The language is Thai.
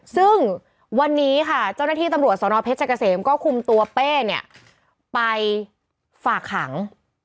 ซึ่งวันนี้ค่ะเจ้าหน้าที่ตำรวจสนเพชรเกษมก็คุมตัวเป้เนี่ยไปฝากขัง